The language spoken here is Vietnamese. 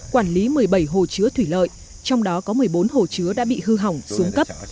quản lý một mươi bảy hồ chứa thủy lợi trong đó có một mươi bốn hồ chứa đã bị hư hỏng xuống cấp